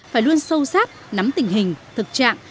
phải luôn sâu sát nắm tình hình thực trạng